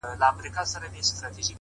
o هم داسي ستا دا گل ورين مخ؛